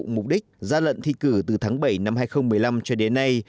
mục đích gian lận thi cử từ tháng bảy năm hai nghìn một mươi năm cho đến nay